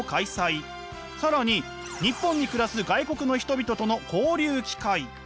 更に日本に暮らす外国の人々との交流機会。